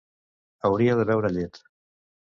Hauria de beure llet.